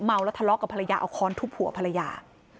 แล้วทะเลาะกับภรรยาเอาค้อนทุบหัวภรรยา